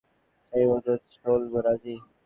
তুমি একটা প্ল্যান বানাও, আমরা সেই মতোই চলবো, রাজি?